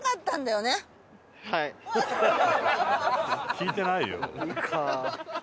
聞いてないよ。